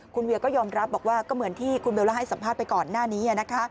คุณเวียก็ยอมรับบอกว่าก็เหมือนที่คุณเบลล่าให้สัมภาษณ์ไปก่อนหน้านี้